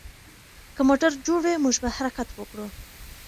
که موټر جوړ وي، موږ به حرکت وکړو.